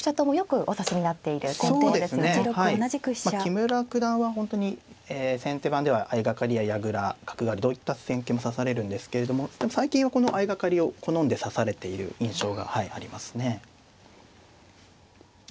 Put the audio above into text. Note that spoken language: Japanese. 木村九段は本当に先手番では相掛かりや矢倉角換わりどういった戦型も指されるんですけれども最近はこの相掛かりを好んで指されている印象がはいありますね。